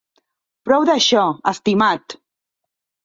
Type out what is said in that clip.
Prou d'això, estimat!